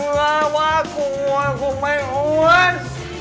ว่ากูอ้วน